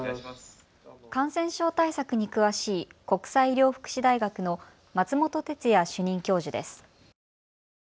感染症対策に詳しい国際医療福祉大学の松本哲哉主任教授です。